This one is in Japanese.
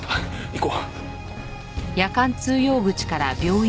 行こう。